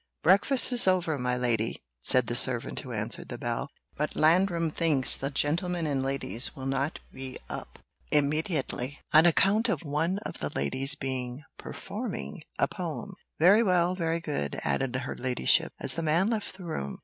"Breakfast is over, my lady," said the servant who answered the bell, "but Landrum thinks the gentlemen and ladies will not be up immediately, on account of one of the ladies being performing a poem." "Very well, very good," added her ladyship, as the man left the room.